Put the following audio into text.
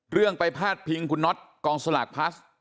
เรื่องไปพาดพิงคุณน็อตกองสลากพลัส